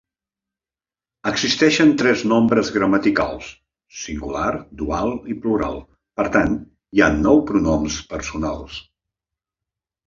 Existeixen tres nombres gramaticals: singular, dual i plural, per tant, hi ha nou pronoms personals.